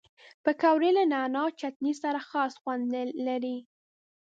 پکورې له نعناع چټني سره خاص خوند لري